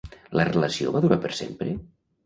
La relació va durar per sempre?